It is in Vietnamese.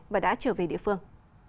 và đã trở về địa phương